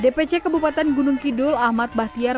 dpc kabupaten gunung kidul ahmad bahtiar